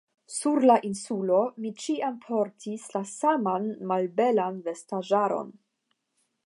Sur la Insulo mi ĉiam portis la saman malbelan vestaĵaron.